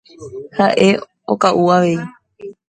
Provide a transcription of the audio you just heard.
Ha'e oka'u avei.